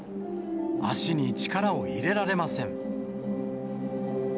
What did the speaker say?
足に力を入れられません。